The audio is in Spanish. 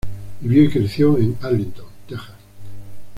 Vivió y creció en Arlington, Texas.